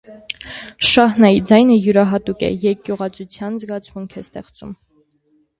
Շահնայի ձայնը յուրահատուկ է, երկյուղածության զգացմունք է ստեղծում։